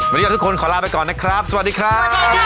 วันนี้ละทุกคนขอลาบไปก่อนละครับสวัสดีค่า